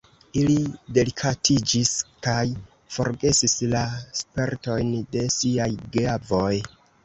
Ili delikatiĝis kaj forgesis la spertojn de siaj geavoj.